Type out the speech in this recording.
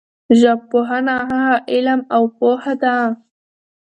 ژبپوهنه هغه علم او پوهه ده